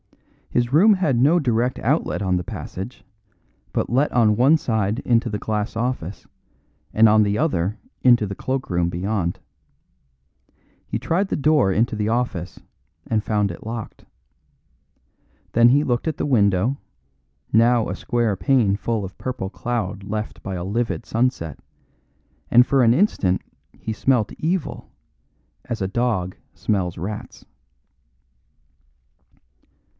His room had no direct outlet on the passage, but let on one side into the glass office, and on the other into the cloak room beyond. He tried the door into the office, and found it locked. Then he looked at the window, now a square pane full of purple cloud cleft by livid sunset, and for an instant he smelt evil as a dog smells rats.